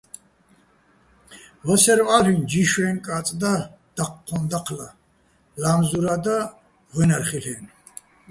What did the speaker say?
ვასერვ ა́ლ'იჼ: ჯიშვეჼ კა́წ და, დაჴჴოჼ დაჴლა, ლა́მზურა́ და, ღუჲნარ ხილ'ო̆-აჲნო̆.